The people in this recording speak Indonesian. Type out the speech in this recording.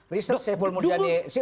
research syekh fulmurjani